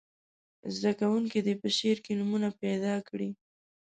زده کوونکي دې په شعر کې نومونه پیداکړي.